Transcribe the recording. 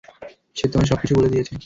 সে তোমায় সবকিছু বলে দিয়েছে।